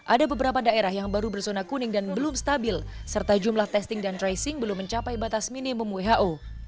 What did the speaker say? ada beberapa daerah yang baru berzona kuning dan belum stabil serta jumlah testing dan tracing belum mencapai batas minimum who